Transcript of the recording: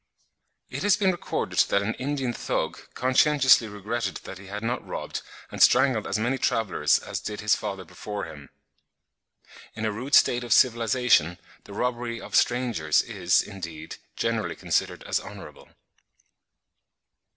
It has been recorded that an Indian Thug conscientiously regretted that he had not robbed and strangled as many travellers as did his father before him. In a rude state of civilisation the robbery of strangers is, indeed, generally considered as honourable.